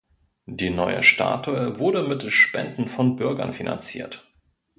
Die neue Statue wurde mittels Spenden von Bürgern finanziert.